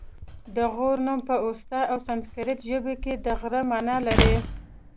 د غور نوم په اوستا او سنسګریت ژبو کې د غره مانا لري